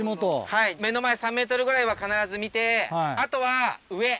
はい目の前３ｍぐらいは必ず見てあとは上。